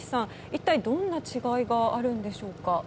一体どんな違いがあるんでしょうか。